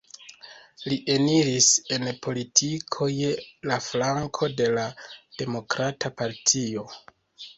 Li eniris en politiko je la flanko de la Demokrata Partio.